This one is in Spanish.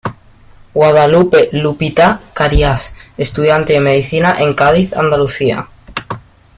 Guadalupe "Lupita" Carías, estudiante de medicina, en Cádiz, Andalucía.